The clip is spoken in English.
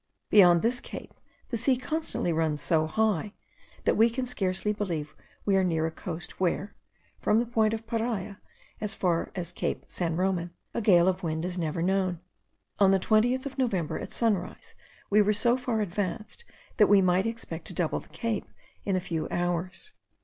Beyond this cape the sea constantly runs so high, that we can scarcely believe we are near a coast where (from the point of Paria as far as Cape San Roman) a gale of wind is never known. On the 20th of November at sunrise we were so far advanced, that we might expect to double the cape in a few hours.